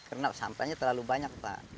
karena sampahnya terlalu banyak pak